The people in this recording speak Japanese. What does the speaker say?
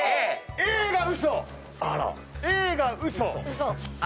Ａが嘘。